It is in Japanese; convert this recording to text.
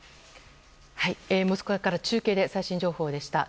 モスクワから中継で最新情報でした。